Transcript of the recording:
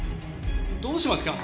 どうしますか？